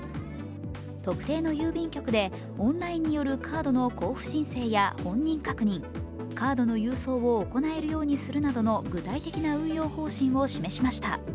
特定の郵便局でオンラインによるカードの交付申請や本人確認、カードの郵送を行えるようにするなどの具体的な運用方針を示しました。